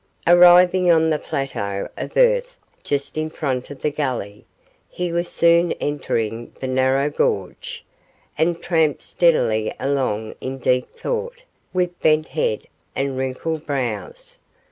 Arriving on the plateau of earth just in front of the gully, he was soon entering the narrow gorge, and tramped steadily along in deep thought, with bent head and wrinkled brows.